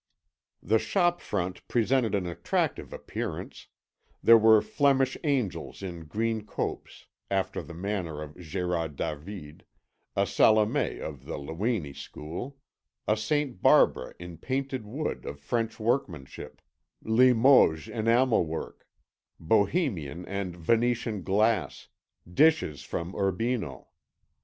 The shop front presented an attractive appearance: there were Flemish angels in green copes, after the manner of Gérard David, a Salomé of the Luini school, a Saint Barbara in painted wood of French workmanship, Limoges enamel work, Bohemian and Venetian glass, dishes from Urbino.